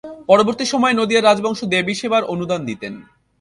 পরবর্তী সময়ে নদিয়ার রাজবংশ দেবীর সেবার অনুদান দিতেন।